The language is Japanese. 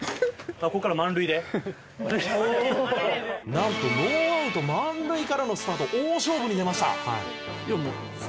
「なんとノーアウト満塁からのスタート」「大勝負に出ました」